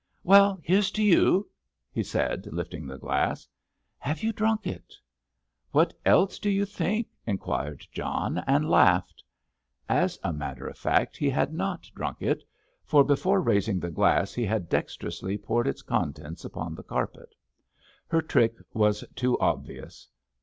"Well, here's to you," he said, lifting the glass. "Have you drunk it?" "What else do you think?" inquired John, and laughed. As a matter of fact he had not drunk it, for before raising the glass he had dexterously poured its contents upon the carpet. Her trick was too obvious.